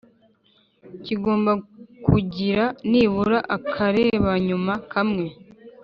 kigomba kugira nibura akarebanyuma kamwe